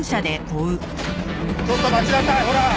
ちょっと待ちなさいほら！